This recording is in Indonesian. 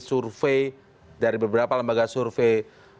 survei dari beberapa lembaga survei